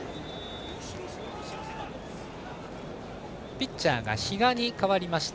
ピッチャーが比嘉に代わりました。